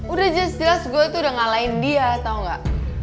udah jelas jelas gue udah ngalain dia tau gak